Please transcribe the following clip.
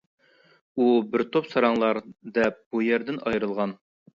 ھۇ بىر توپ ساراڭلار دەپ بۇ يەردىن ئايرىلغان.